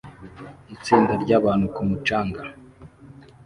Itsinda ryabantu ku mucanga